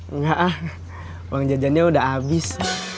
enggak ah uang jajannya udah habis